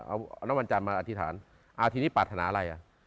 เอาน้ำวันจันทร์มาอธิษฐานอ่าทีนี้ปรารถนาอะไรอ่ะ